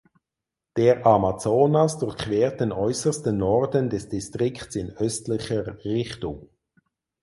Der Amazonas durchquert den äußersten Norden des Distrikts in östlicher Richtung.